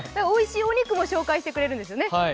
おいしいお肉も紹介してくれるんですよね。